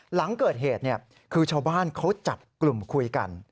หลังเกิดเหตุคือชาวบ้านเขาจับกลุ่มคุยกัน